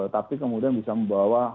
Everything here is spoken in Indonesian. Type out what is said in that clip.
tapi kemudian bisa membawa